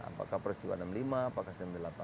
apakah persiwa enam puluh lima apakah enam puluh delapan